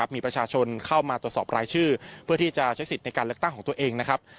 มีประชาชนเข้ามาตรวจสอบรายชื่อเพื่อที่จะใช้สิทธิ์ในการเลือกตั้งของตัวเองนะครับ